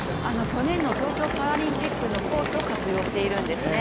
去年の東京パラリンピックのコースを活用しているんですね